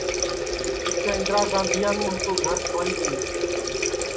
پِچھیں اِندرا گاندھیان اُن کُو گھر ٹُھوائی دؔیئے